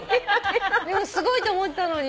すごいと思ったのに。